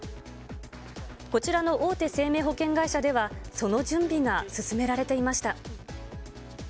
こちらの大手生命保険会社では、その準備が進められていました。